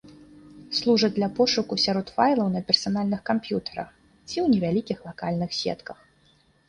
Служаць для пошуку сярод файлаў на персанальных камп'ютарах ці ў невялікіх лакальных сетках.